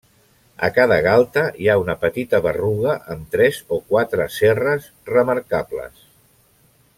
A cada galta hi ha una petita berruga amb tres o quatre cerres remarcables.